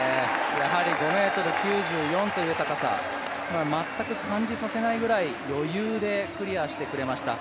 やはり５ｍ９４という高さ、全く感じさせないくらい余裕でクリアしてくれました。